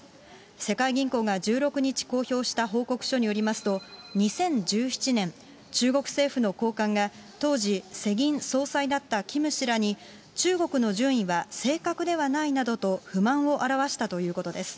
世界銀行が１６日公表した報告書によりますと、２０１７年、中国政府の高官が当時、世銀総裁だったキム氏らに、中国の順位は正確ではないなどと不満を表したということです。